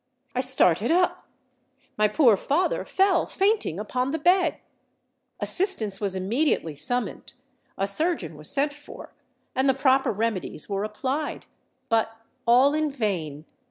I started up: my poor father fell fainting upon the bed. Assistance was immediately summoned—a surgeon was sent for—and the proper remedies were applied. But all in vain!